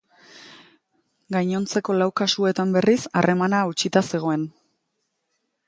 Gainontzeko lau kasuetan, berriz, harremana hautsita zegoen.